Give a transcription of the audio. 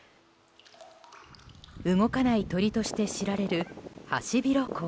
動かない鳥として知られるハシビロコウ。